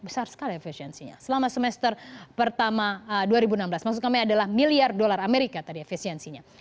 besar sekali efisiensinya selama semester pertama dua ribu enam belas maksud kami adalah miliar dolar amerika tadi efisiensinya